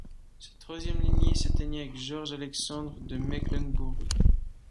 Cette troisième lignée s'éteignit avec Georges-Alexandre de Mecklembourg.